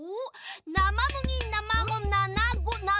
なまむぎなまごななご。